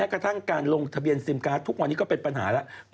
กระทั่งการลงทะเบียนซิมการ์ดทุกวันนี้ก็เป็นปัญหาแล้ว